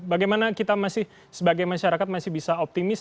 bagaimana kita masih sebagai masyarakat masih bisa optimis